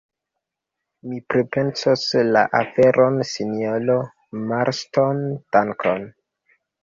Mi pripensos la aferon, sinjoro Marston; dankon.